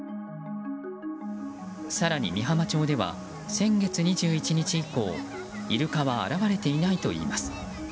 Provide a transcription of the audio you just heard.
更に美浜町では先月２１日以降イルカは現れていないといいます。